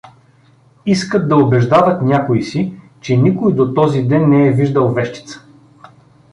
Искат да убеждават някои си, че никой до този ден не е виждал вещица!